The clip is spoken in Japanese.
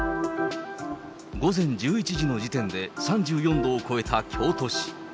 午前１１時の時点で３４度を超えた京都市。